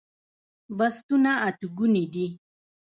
بستونه اته ګوني دي